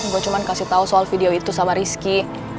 gue cuma kasih tahu soal video itu sama rizky